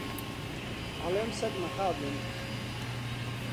ئەڵێم سەد مخابن